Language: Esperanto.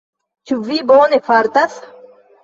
Ĉu vi bone fartas?